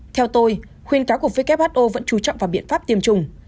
theo tôi khuyên cáo của who vẫn trú trọng vào biện pháp tiêm chủng